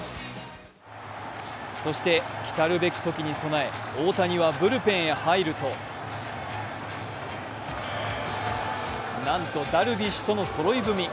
そして来るべき時に備え大谷はブルペンに入るとなんとダルビッシュとのそろい踏み。